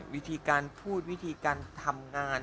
วิธีการพูดวิธีการทำงาน